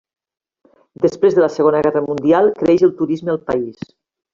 Després de la Segona Guerra Mundial, creix el turisme al país.